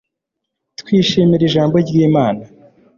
Twishimira Ijambo ry Imana